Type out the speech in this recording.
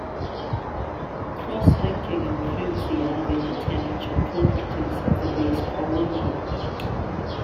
Crosslinking improves the elevated-temperature properties of the base polymer.